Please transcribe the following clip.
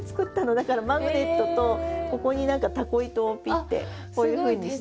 だからマグネットとここに何かタコ糸をピッてこういうふうにして。